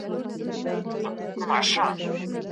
مشرانو به د ولس د نېکمرغۍ لپاره رښتینې مشوري ورکولي.